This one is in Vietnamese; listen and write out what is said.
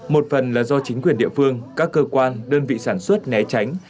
một phần là do chính quyền địa phương các cơ quan đơn vị sản xuất né tránh